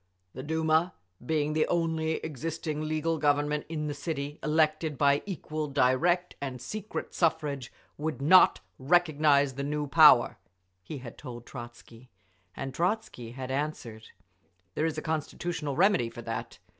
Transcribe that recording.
"The Duma, being the only existing legal Government in the city, elected by equal, direct and secret suffrage, would not recognise the new power," he had told Trotzky. And Trotzky had answered, "There is a constitutional remedy for that.